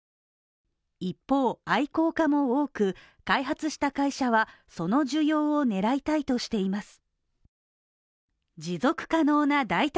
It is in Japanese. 一方、愛好家も多く、開発した会社はその需要を狙いたいとしています。